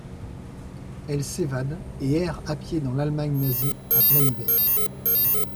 Elle s'évade et erre à pied dans l'Allemagne nazie en plein hiver.